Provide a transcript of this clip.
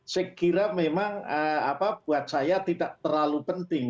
saya kira memang buat saya tidak terlalu penting